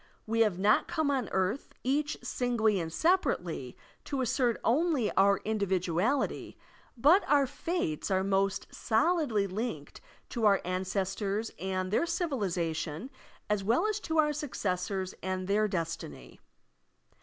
We have not come on earth, each singly and separately, to assert only our individuality; but our fates are most solidly linked to our ancestors and their civilization as well as to our successors and their destiny.